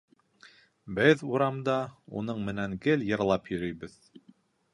Беҙ урамда уның менән гел йырлап йөрөйбөҙ.